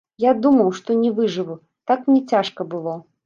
Я думаў, што не выжыву, так мне цяжка было.